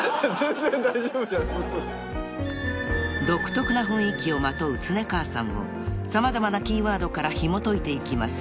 ［独特な雰囲気をまとう恒川さんを様々なキーワードからひもといていきます］